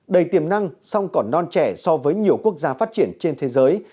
đầy tiềm năng song còn non trẻ so với nhiều quốc gia phát triển trên thế giới